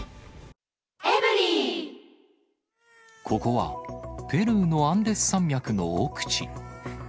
ここは、ペルーのアンデス山脈の奥地。